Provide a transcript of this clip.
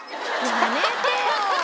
やめてよ！